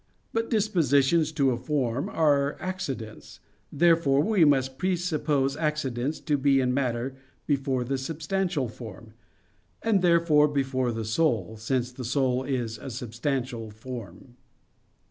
But dispositions to a form are accidents. Therefore we must presuppose accidents to be in matter before the substantial form; and therefore before the soul, since the soul is a substantial form.